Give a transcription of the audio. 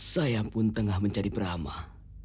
saya pun tengah mencari peramah